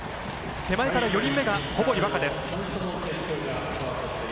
手前から４人目が小堀倭加です。